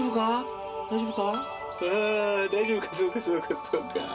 ああ大丈夫かそうかそうかそうか。